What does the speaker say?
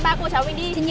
ba cô cháu mình đi nha